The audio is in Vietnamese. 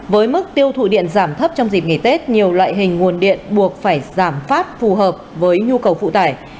với mức tiêu thụ điện giảm thấp trong dịp nghỉ tết nhiều loại hình nguồn điện buộc phải giảm phát phù hợp với nhu cầu phụ tải